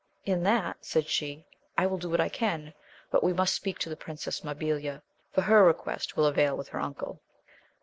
In that, said she, I will do what I can, but we must speak to the Princess Mabilia, for her request will avail with her uncle.